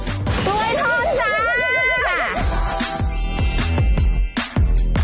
กล้วยทอดจ้า